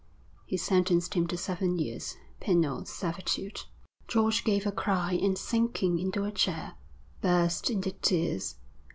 He sentenced him to seven years penal servitude.' George gave a cry and sinking into a chair, burst into tears.